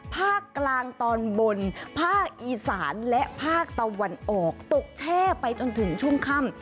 ภาคกลางตอนบนภาคอีสานและภาคตะวันออกตกแช่ไปจนถึงช่วงค่ำ